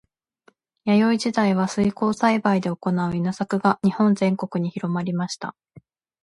弥生時代は水耕栽培で行う稲作が日本全国に広まりました。